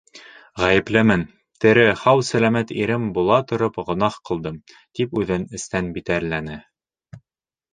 Ғәйеплемен, тере, һау-сәләмәт ирем була тороп, гонаһ ҡылдым, тип үҙен эстән битәрләне.